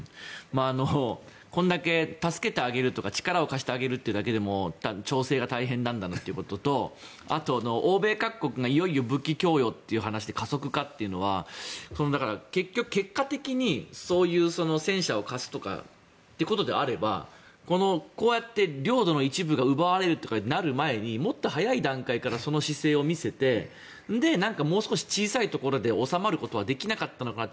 これだけ助けてあげるとか力を貸してあげるというだけでも調整が大変なんだなということとあと欧米各国がいよいよ武器供与が加速化ということで結果的にそういう戦車を貸すとかということであればこうやって領土の一部が奪われるとかになる前にもっと早い段階からその姿勢を見せてそれでもう少し小さいところで収まることはできなかったのかって